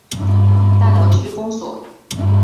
大寮区公所